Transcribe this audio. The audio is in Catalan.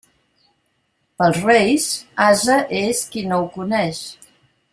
Pels Reis ase és qui no ho coneix.